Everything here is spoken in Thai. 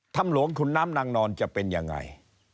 ถ้ำหลวงขุนน้ำนางนอนจะเป็นยังไง